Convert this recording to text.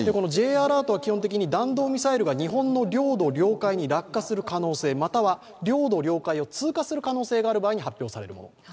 Ｊアラートは弾道ミサイルが日本の領土・領海に落下する可能性または領土・領海を通過する可能性がある場合に発表されるもの